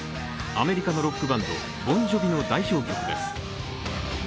アメリカのロックバンドボン・ジョヴィの代表曲です。